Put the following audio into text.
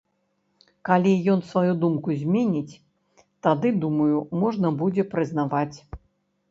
Калі ён сваю думку зменіць, тады, думаю, можна будзе прызнаваць.